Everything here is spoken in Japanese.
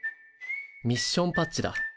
ミッションパッチだ。